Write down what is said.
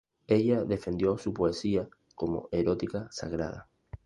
Ella defendió su poesía como "erótica sagrada.